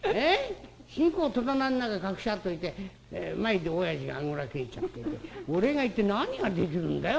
新公を戸棚の中に隠しやっといて前でおやじがあぐらけえちゃってて俺が一体何ができるんだい？